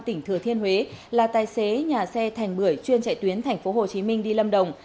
tỉnh thừa thiên huế là tài xế nhà xe thành bưởi chuyên chạy tuyến tp hcm đi lâm đồng